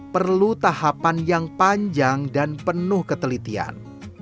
perlu tahapan yang panjang dan penuh ketelitian